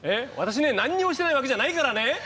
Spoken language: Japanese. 私ね何にもしてないわけじゃないからね！